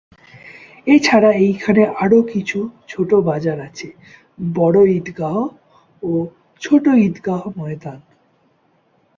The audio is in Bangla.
এই ছাড়া এইখানে আরো কিছু ছোট বাজার আছে। বড় ঈদগাহ ও ছোট ঈদগাময়দান।